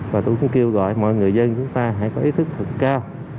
và tôi cũng kêu gọi mọi người dân chúng ta hãy có ý thức thật cao